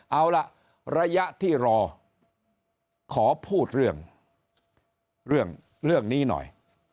เอาล่ะระยะที่รอขอพูดเรื่องเรื่องนี้หน่อย